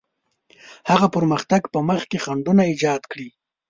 هغه پرمختګ په مخ کې خنډونه ایجاد کړي.